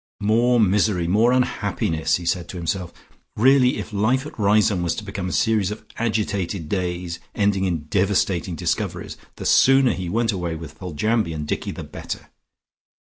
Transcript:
"More misery! More unhappiness!" he said to himself. Really if life at Riseholme was to become a series of agitated days ending in devastating discoveries, the sooner he went away with Foljambe and Dicky the better.